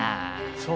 そう？